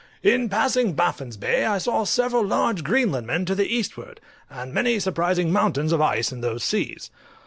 In passing Baffin's Bay I saw several large Greenlandmen to the eastward, and many surprising mountains of ice in those seas.